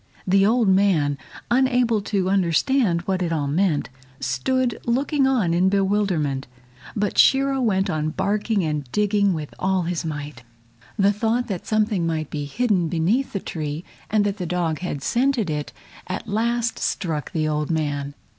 The old man, unable to understand what it all meant, stood looking on in bewilderment. But Shiro went on barking and digging with all his might. The thought that something might be hidden beneath the tree, and that the dog had scented it, at last struck the old man.